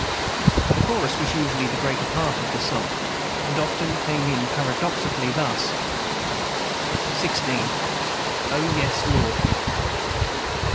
The chorus was usually the greater part of the song, and often came in paradoxically, thus: XVI. O YES, LORD.